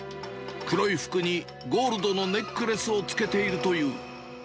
黒い服にゴールドのネックレスをつけているという。